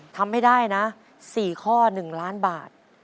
ทำให้ได้นะ๔ข้อ๑ล้านบาท